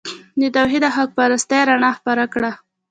د توحید او حق پرستۍ رڼا خپره کړه.